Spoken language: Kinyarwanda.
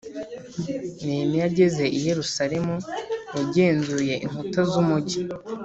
Nehemiya ageze i Yerusalemu yagenzuye inkuta z’ umugi